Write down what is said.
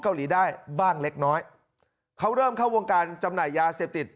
เกาหลีได้บ้างเล็กน้อยเขาเริ่มเข้าวงการจำหน่ายยาเสพติด